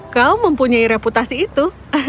kau mempunyai reputasi itu